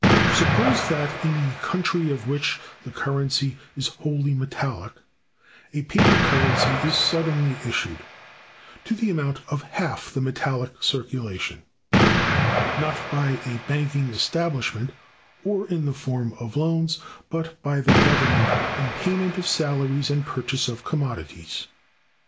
Suppose that, in a country of which the currency is wholly metallic, a paper currency is suddenly issued, to the amount of half the metallic circulation; not by a banking establishment, or in the form of loans, but by the Government, in payment of salaries and purchase of commodities.